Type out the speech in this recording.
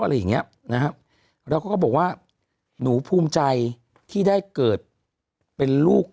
อะไรอย่างเงี้ยนะฮะแล้วก็บอกว่าหนูภูมิใจที่ได้เกิดเป็นลูก